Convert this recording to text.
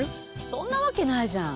そんなわけないじゃん。